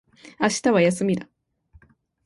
明日は休みだ